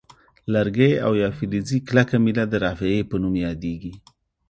لرګی او یا فلزي کلکه میله د رافعې په نوم یادیږي.